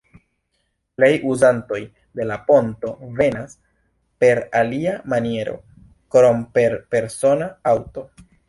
Plej uzantoj de la ponto venas per alia maniero krom per persona aŭto.